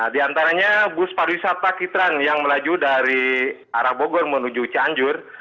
di antaranya bus pariwisata kitran yang melaju dari arah bogor menuju cianjur